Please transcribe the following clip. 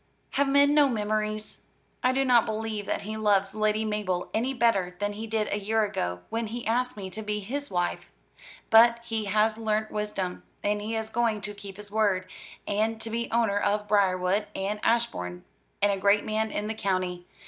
Have men no memories? I do not believe that he loves Lady Mabel any better than he did a year ago, when he asked me to be his wife. But he has learnt wisdom; and he is going to keep his word, and to be owner of Briarwood and Ashbourne, and a great man in the county.